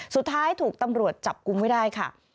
สุดท้ายถูกตำรวจจับกุมไว้ได้ค่ะ